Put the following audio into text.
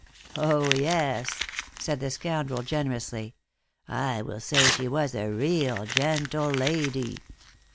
Oh, yes," said the scoundrel, generously, "I will say she was a real gentle lady."